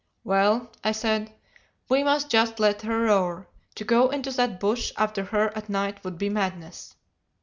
"'Well,' I said, 'we must just let her roar; to go into that bush after her at night would be madness.